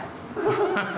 ハハハ。